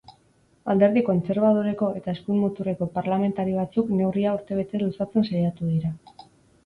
Alderdi kontserbadoreko eta eskuin muturreko parlamentari batzuk neurria urtebete luzatzen saiatu dira.